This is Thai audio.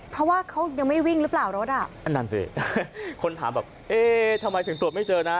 เพราะว่าเขายังไม่ได้วิ่งหรือเปล่ารถอ่ะอันนั้นสิคนถามแบบเอ๊ะทำไมถึงตรวจไม่เจอนะ